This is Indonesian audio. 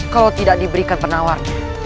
kalau tidak diberikan penawar